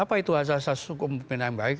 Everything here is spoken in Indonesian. apa itu asas asas umum pemerintahan yang baik